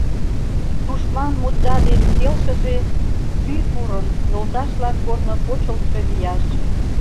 Тушман мутда ден келшыже, пӱй пурын; Йолташлан корно почылтшо вияш.